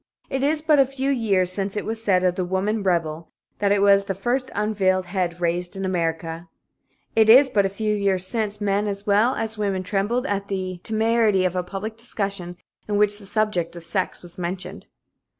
It is but a few years since it was said of The Woman Rebel that it was "the first un veiled head raised in America." It is but a few years since men as well as women trembled at the temerity of a public discussion in which the subject of sex was mentioned.